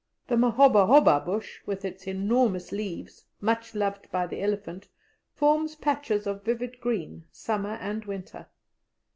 The "m'hoba hoba" bush, with its enormous leaves, much loved by the elephant, forms patches of vivid green summer and winter.